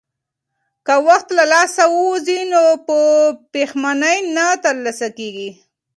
که وخت له لاسه ووځي نو په پښېمانۍ نه ترلاسه کېږي.